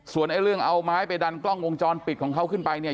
ส่วนไอ้เรื่องเอาไม้ไปดันกล้องวงจรปิดของเขาขึ้นไปเนี่ย